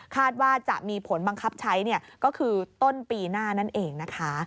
ว่าจะมีผลบังคับใช้ก็คือต้นปีหน้านั่นเองนะคะ